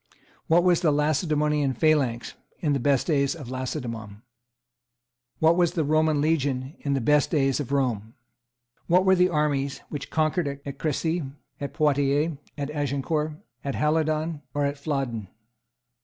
What was the Lacedaemonian phalanx in the best days of Lacedaemon? What was, the Roman legion in the best days of Rome? What were the armies which conquered at Cressy, at Poitiers, at Agincourt, at Halidon, or at Flodden?